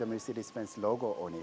dengan logo mercedes benz di dalamnya